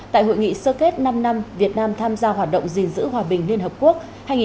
tại hội nghị sơ kết năm năm việt nam tham gia hoạt động gìn giữ hòa bình liên hợp quốc hai nghìn một mươi bốn hai nghìn một mươi chín